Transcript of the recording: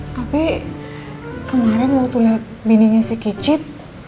tapi kemarin waktu liat bininya si kicit